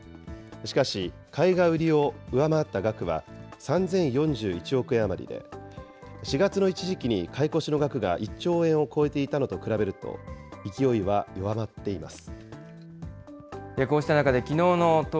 しかし、買いが売りを上回った額は３０４１億円余りで、４月の一時期に、買い越しの額が１兆円を超えていたのと比べると、勢いは弱まっています。